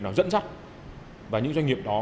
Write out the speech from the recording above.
nào dẫn dắt và những doanh nghiệp đó